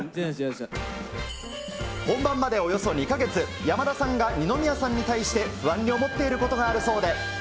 本番までおよそ２か月、山田さんが二宮さんに対して不安に思っていることがあるそうで。